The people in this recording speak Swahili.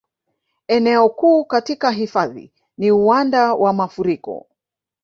Eneo kuu katika hifadhi ni uwanda wa mafuriko